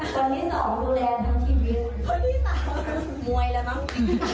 คุยมาต่อนัง